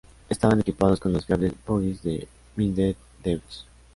Estaban equipados con los fiables bogies de Minden-Deutz.